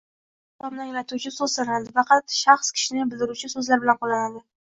yaʼni hisobni anglatuvchi soʻz sanaladi va faqat shaxs-kishini bildiruvchi soʻzlar bilan qoʻllanadi